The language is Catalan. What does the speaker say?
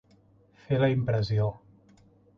Fer la impressió.